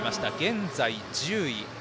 現在、１０位。